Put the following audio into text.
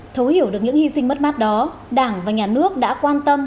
thấu hiểu được những hy sinh mất mát đó đảng và nhà nước đã quan tâm